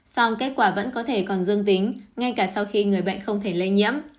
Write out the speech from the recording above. song kết quả vẫn có thể còn dương tính ngay cả sau khi người bệnh không thể lây nhiễm